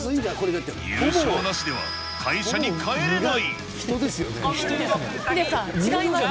優勝なしでは会社に帰れない。